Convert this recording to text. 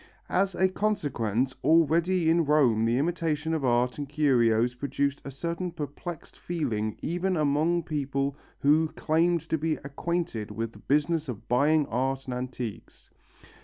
As a consequence, already in Rome the imitation of art and curios produced a certain perplexed feeling even among people who claimed to be acquainted with the business of buying art and antiques.